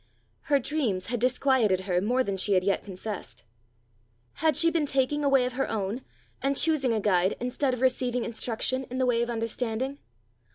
Her dreams had disquieted her more than she had yet confessed: had she been taking a way of her own, and choosing a guide instead of receiving instruction in the way of understanding?